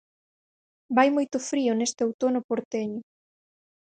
Vai moito frío neste outono porteño.